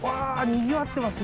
にぎわってます